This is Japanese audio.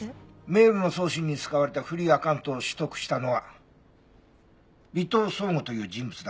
メールの送信に使われたフリーアカウントを取得したのは尾藤奏吾という人物だった。